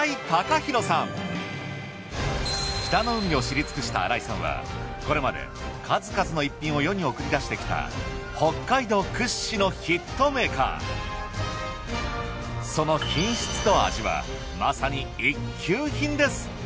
北の海を知り尽くした新井さんはこれまで数々の逸品を世に送り出してきたその品質と味はまさに一級品です。